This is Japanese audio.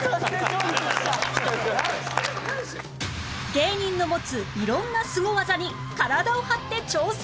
芸人の持つ色んなスゴ技に体を張って挑戦！